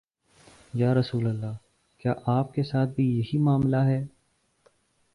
یا رسول اللہ، کیا آپ کے ساتھ بھی یہی معا ملہ ہے؟